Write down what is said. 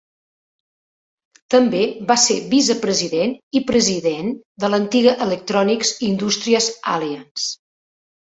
També va ser vicepresident i president de l'antiga Electronics Industries Alliance.